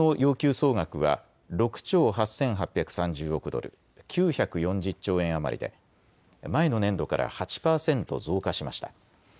総額は６兆８８３０億ドル、９４０兆円余りで前の年度から８％増加しました。